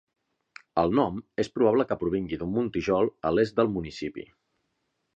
El nom és probable que provingui d'un muntijol a l'est del municipi.